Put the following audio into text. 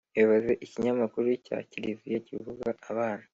ibaze ikinyamakuru cya kiliziya kivuga abana